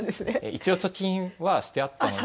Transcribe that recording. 一応貯金はしてあったので。